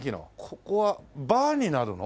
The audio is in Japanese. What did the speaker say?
ここはバーになるの？